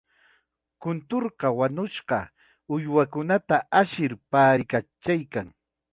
Kunturqa wañushqa uywakunata ashir paariykachaykan.